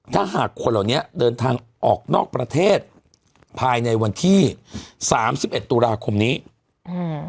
ถ้าหากคนเหล่านี้เดินทางออกนอกประเทศภายในวันที่สามสิบเอ็ดตุลาคมนี้อืม